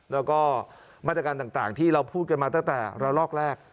แล้วก็มาตรการต่างที่เราพูดกันมาตั้งแต่ละลอกแรก